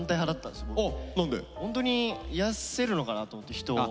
ホントに癒やせるのかなと思って人を。